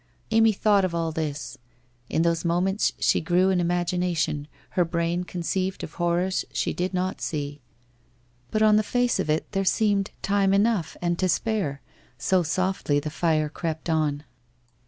Amy thought of all this. In those moments she grew in imagination; her brain con ceived of horrors she did not see. But on the face of it there seemed time enough and to spare, so softly the fire crept on.